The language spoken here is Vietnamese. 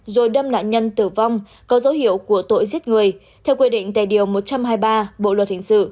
rồi đâm nạn nhân tử vong có dấu hiệu của tội giết người theo quy định tài điều một trăm hai mươi ba bộ luật hình sự